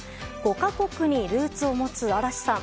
５か国にルーツを持つ嵐さん。